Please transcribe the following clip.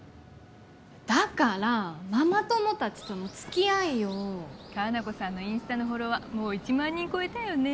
だからママ友たちとの付き合いよ果奈子さんのインスタのフォロワーもう１万人超えたよね